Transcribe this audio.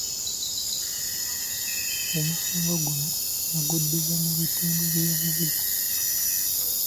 Omusango guno yaguddiza mu bitundu by’e Buziga.